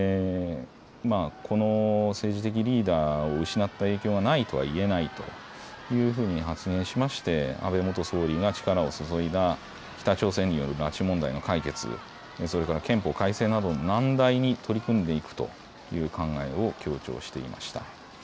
この政治的リーダーを失った影響がないとは言えないというふうに発言しまして安倍元総理が力を注いだ北朝鮮による拉致問題の解決、それから憲法改正など難題に取り組んでいくという考えを強調していました。